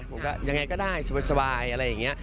ผมก็ยังไงก็ได้สบายอะไรอย่างนี้